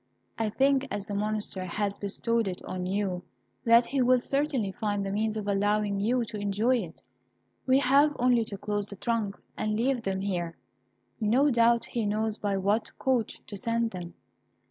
I think, as the Monster has bestowed it on you, that he will certainly find the means of allowing you to enjoy it. We have only to close the trunks, and leave them here. No doubt he knows by what coach to send them."